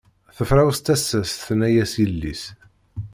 Tefrawes tasa-s tenna-as yelli-s.